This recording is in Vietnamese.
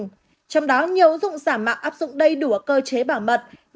trong đó nhiều ứng dụng giảm mạo áp dụng đầy đủ ở cơ chế bảo mật để tránh bị phát hiện